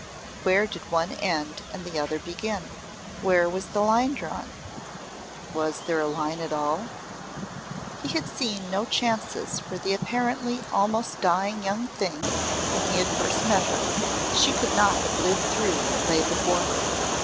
Where did one end and the other begin? Where was the line drawn? Was there a line at all? He had seen no chances for the apparently almost dying young thing when he first met her. She could not have lived through what lay before her.